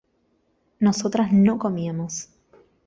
nosotras no comíamos